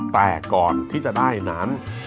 แต่ก่อนที่จะได้นั้น